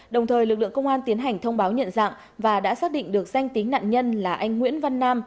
đồng thời lực lượng công an tiến hành thông báo nhận dạng và đã xác định được danh tính nạn nhân là anh nguyễn văn nam